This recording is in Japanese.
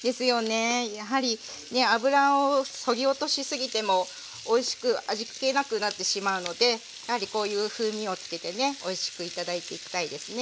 やはり油をそぎ落としすぎてもおいしく味気なくなってしまうのでやはりこういう風味をつけてねおいしく頂いていきたいですね。